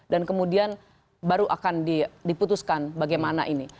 kemudian baru akan diputuskan bagaimana ini